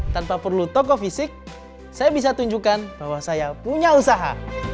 tanpa perlu tokoh fisik saya bisa tunjukkan bahwa saya punya usaha